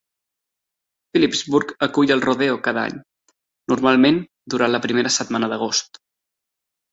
Phillipsburg acull el rodeo cada any, normalment durant la primera setmana d'agost.